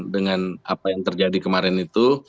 dengan apa yang terjadi kemarin itu